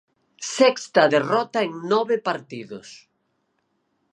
Sexta derrota en nove partidos.